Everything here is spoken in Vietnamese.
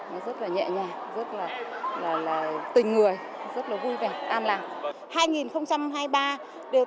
nó rất là nhẹ nhàng rất là tình người rất là vui vẻ an làng